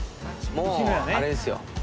もうあれですよ。